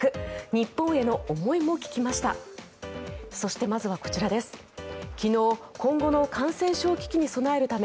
日本への思いも聞きました。